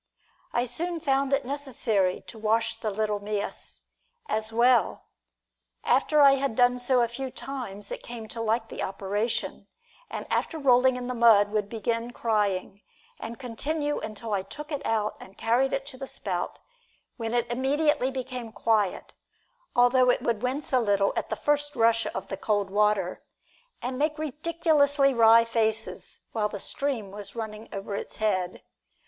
I soon found it necessary to wash the little mias as well. After I had done so a few times it came to like the operation, and after rolling in the mud would begin crying, and continue until I took it out and carried it to the spout, when it immediately became quiet, although it would wince a little at the first rush of the cold water, and make ridiculously wry faces while the stream was running over its head.